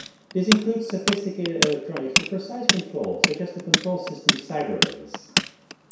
This includes sophisticated electronics for precise control, such as the control system Cyberbase.